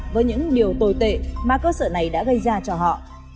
với những điều tồi tệ mà cơ sở này đã gây ra cho họ